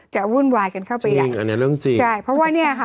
วุ่นวายกันเข้าไปใหญ่อันนี้เรื่องจริงใช่เพราะว่าเนี้ยค่ะ